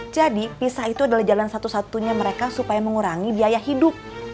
pisah itu adalah jalan satu satunya mereka supaya mengurangi biaya hidup